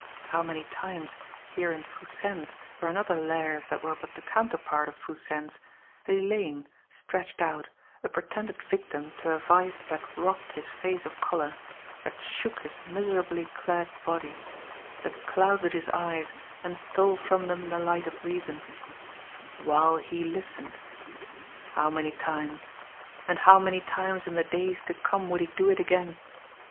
How many times, here in Foo Sen's, or in other lairs that were but the counterpart of Foo Sen's, had he lain, stretched out, a pretended victim to a vice that robbed his face of colour, that shook his miserably clad body, that clouded his eyes and stole from them the light of reason while he listened! How many times and how many times in the days to come would he do it again!